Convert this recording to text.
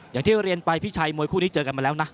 อย่างที่เรียนไปพี่ชัยมวยคู่นี้เจอกันมาแล้วนะ